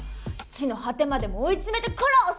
「地の果てまでも追い詰めて殺す！」